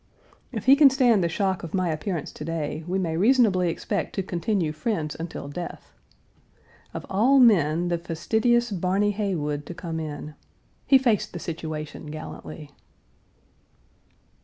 If he can stand the shock of my appearance to day, we may reasonably expect to continue friends until death. Of all men, the fastidious Barny Heywood to come in. He faced the situation gallantly.